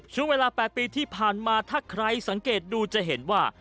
ช่วงเวลา๘ปีที่ผ่านมาถ้าใครสังเกตดูจะเห็นว่า